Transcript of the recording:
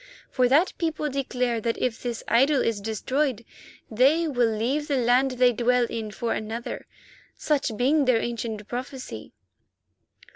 For that people declare that if this idol is destroyed they will leave the land they dwell in for another, such being their ancient prophecy."